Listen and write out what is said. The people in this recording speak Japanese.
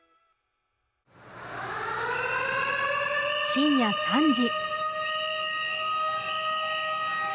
深夜３時。